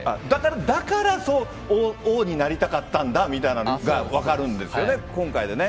だから、王になりたかったんだみたいなのが分かるんですよね、今回でね。